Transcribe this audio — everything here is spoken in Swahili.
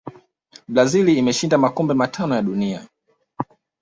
brazil imeshinda makombe matano ya dunia